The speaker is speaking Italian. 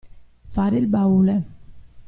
Fare il baule.